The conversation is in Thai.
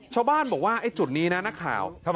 ชาวบ้านดูนี้นักข่าว